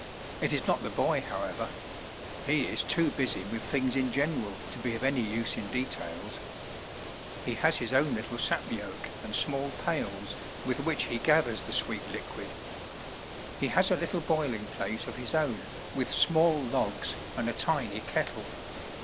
It is not the boy, however; he is too busy with things in general to be of any use in details. He has his own little sap yoke and small pails, with which he gathers the sweet liquid. He has a little boiling place of his own, with small logs and a tiny kettle.